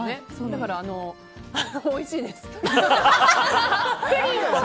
だから、あのおいしいです。